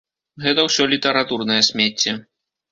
Гэта ўсё літаратурнае смецце.